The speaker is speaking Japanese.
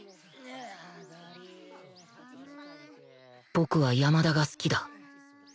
僕は山田が好きだ